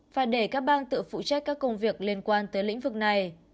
và để các bang tự phụ trách các công việc liên quan tới lĩnh vực này